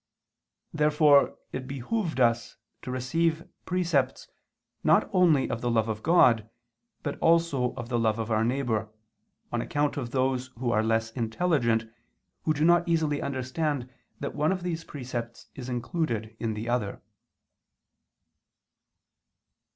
Therefore it behooved us to receive precepts not only of the love of God but also of the love of our neighbor, on account of those who are less intelligent, who do not easily understand that one of these precepts is included in the other.